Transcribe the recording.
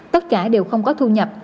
tất cả đều không có thu nhập